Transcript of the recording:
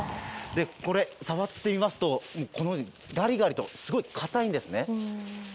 これを触ってみますとガリガリとすごい硬いんですね。